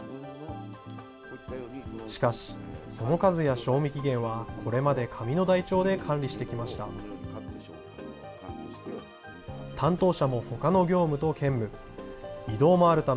しかし、その数や賞味期限はこれまで紙の台帳で管理してきました。